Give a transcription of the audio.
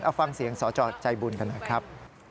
เอาฟังเสียงสจใจบุญกันหน่อยครับ